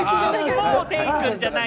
もう君じゃない！